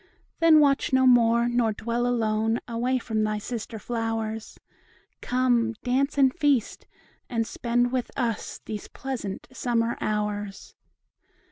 Then watch no more, nor dwell alone, Away from thy sister flowers; Come, dance and feast, and spend with us These pleasant summer hours.